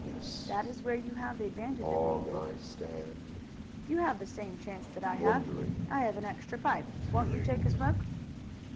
"That is where you have the advantage of me, Luke." "You have the same chance that I have. I have an extra pipe. Won't you take a smoke?"